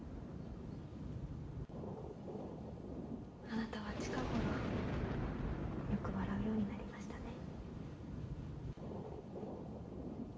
あなたは近頃よく笑うようになりましたね。